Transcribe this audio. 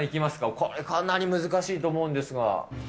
これ、かなり難しいと思うんですが。